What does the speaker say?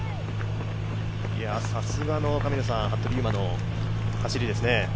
さすがの服部勇馬の走りですね。